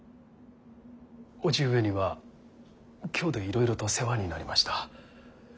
叔父上には京でいろいろと世話になりました。